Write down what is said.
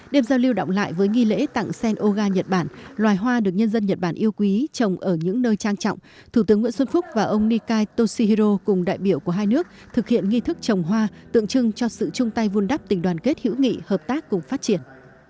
đêm giao lưu động lại với nghi lễ tặng sen oga nhật bản loài hoa được nhân dân nhật bản yêu quý trồng ở những nơi trang trọng thủ tướng nguyễn xuân phúc và ông nikai toshihiro cùng đại biểu của hai nước thực hiện nghi thức trồng hoa tượng trưng cho sự chung tay vun đắp tình đoàn kết hữu nghị hợp tác cùng phát triển